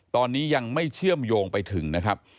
ตอนนี้ยังไม่เชื่อมโยงไปถึงนะครับ